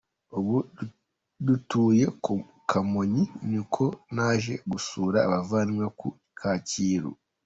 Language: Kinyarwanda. Ubundi dutuye ku Kamonyi ni uko naje gusura abavandimwe ku Kacyiru.